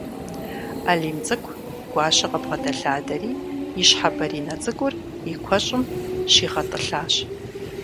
Алим цӏыкӏу Гуащэ къыбгъэдэлъадэри, и щхьэ бэринэ цӏыкӏур и куэщӏым щигъэтӏылъащ.